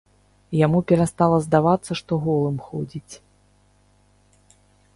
Яму перастала здавацца, што голым ходзіць.